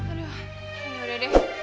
aduh ya udah deh